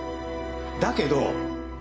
だけど！